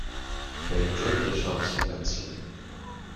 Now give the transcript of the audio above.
They enjoyed the shops immensely.